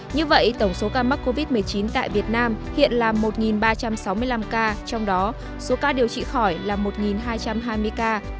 như vậy tổng số ca mắc covid một mươi chín tại việt nam hiện là một ba trăm sáu mươi năm ca trong đó số ca điều trị khỏi là một hai trăm hai mươi ca